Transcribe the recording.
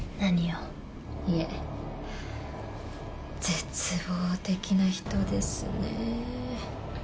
絶望的な人ですね。